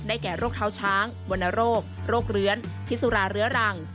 แก่โรคเท้าช้างวรรณโรคโรคเลื้อนพิสุราเรื้อรัง